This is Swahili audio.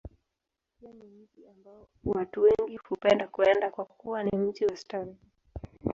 Pia ni mji ambao watu wengi hupenda kwenda, kwa kuwa ni mji wa starehe.